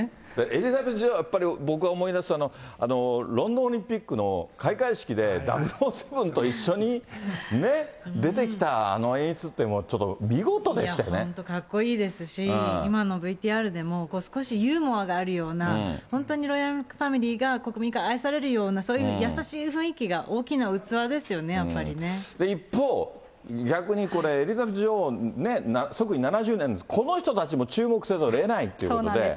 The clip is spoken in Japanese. エリザベス女王はやっぱり僕が思い出すのは、ロンドンオリンピックの開会式で、００７と一緒に出てきた、あの演出っていうのもちょっと見事でし本当かっこいいですし、今のＶＴＲでも、少しユーモアがあるような、本当にロイヤルファミリーが国民から愛されるような、そういう優しい雰囲気が大きな器で一方、逆にこれ、エリザベス女王、即位７０年、この人たちも注目せざるをえないということで。